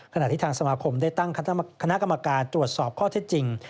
ขณะที่ทางสมาคมได้ตั้งคณะกรรมการตรวจสอบข้อเท็จจริง